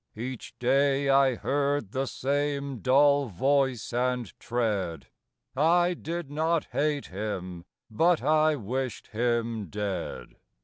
Each day I heard the same dull voice and tread; I did not hate him: but I wished him dead.